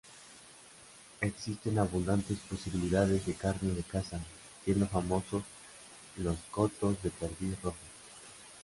Existen abundantes posibilidades de carne de caza, siendo famosos los cotos de perdiz roja.